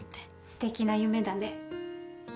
すてきな夢だね。